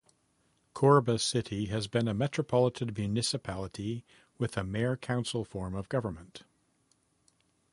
Korba City has been a metropolitan municipality with a mayor-council form of government.